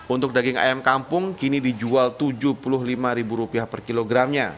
untuk daging ayam kampung kini dijual rp tujuh puluh lima per kilogramnya